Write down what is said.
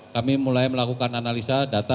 kami mulai melakukan analisa data